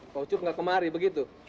pak ucup tidak kemari begitu